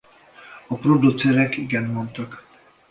A producerek igent mondtak.